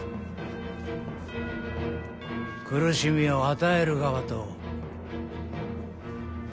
苦しみを与える側と。